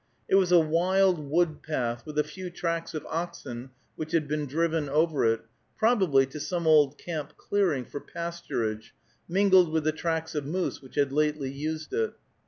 It was a wild wood path, with a few tracks of oxen which had been driven over it, probably to some old camp clearing, for pasturage, mingled with the tracks of moose which had lately used it.